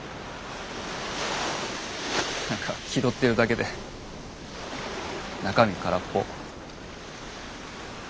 何か気取ってるだけで中身カラッポ。